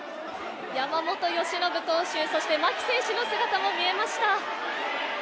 山本由伸投手、そして牧選手の姿も見えました。